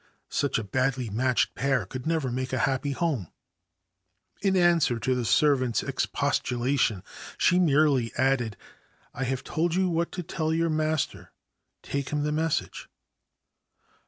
Such a badly matched pair could never make a happy home/ In answer to the servant's ex postulation, she merely added, ' I have told you what to tell your master : take him the message.'